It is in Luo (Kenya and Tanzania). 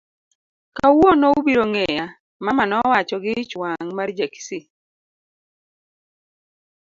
Kawuono ubiro ng'eya, Mama nowacho gi ich wang' mar Ja kisii.